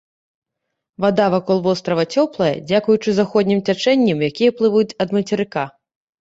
Вада вакол вострава цёплая дзякуючы заходнім цячэнням, якія плывуць ад мацерыка.